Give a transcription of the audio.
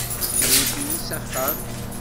Awit-iyi s axxam.